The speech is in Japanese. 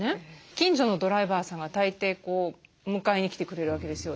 近所のドライバーさんが大抵迎えに来てくれるわけですよ。